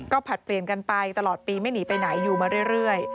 ผลัดเปลี่ยนกันไปตลอดปีไม่หนีไปไหนอยู่มาเรื่อย